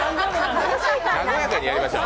和やかにやりましょう。